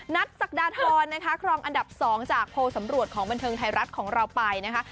ศักดาทรนะคะครองอันดับ๒จากโพลสำรวจของบันเทิงไทยรัฐของเราไปนะคะ